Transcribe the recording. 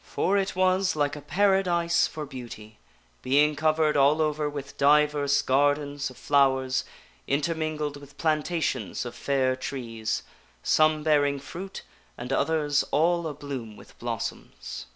For it was like a Paradise for beauty, being covered all over with divers gardens of flowers, inter mingled with plantations of fair trees, some bearing fruit and others all a bloom with blossoms.